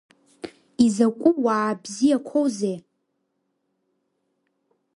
Изакәы уаа бзиақәоузеи?